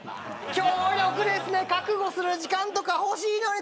強力ですね、覚悟する時間とか欲しいのに。